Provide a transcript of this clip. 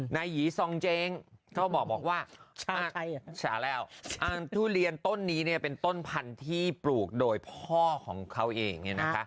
หยีซองเจ๊งก็บอกว่าชาแล้วทุเรียนต้นนี้เนี่ยเป็นต้นพันธุ์ที่ปลูกโดยพ่อของเขาเองเนี่ยนะคะ